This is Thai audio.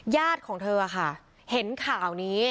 ยาดของเธออะคะเห็นข่าวนี้